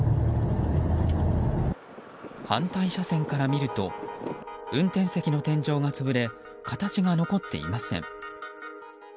反対車線から見ると運転席の天井が潰れ形が残っていません。